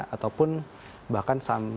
ataupun bahkan sometime media elektronik ya